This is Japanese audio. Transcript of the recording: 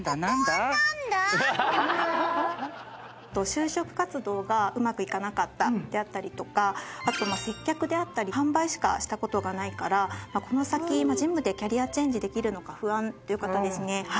就職活動がうまくいかなかったであったりとかあと接客であったり販売しかした事がないからこの先事務でキャリアチェンジできるのか不安という方ですね。